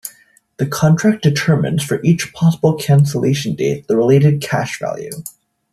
The contract determines for each possible cancellation date the related cash value.